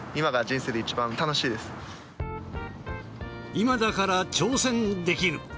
今だから挑戦できる。